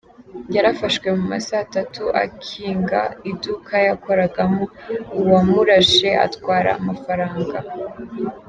Yarashwe mu ma saa tatu akinga iduka yakoragamo, uwamurashe atwara amafaranga.